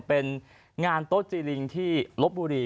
เป็นงานโต๊ะจีนลิงที่ลบบุรี